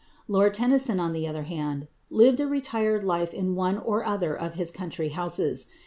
Lord Tennyson, on the other hand, lived a retired life in one or other of his country houses.